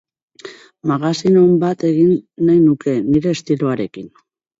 Magazin on bat egin nahi nuke, nire estiloarekin.